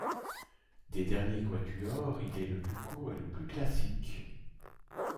Des derniers quatuors il est le plus court et le plus classique.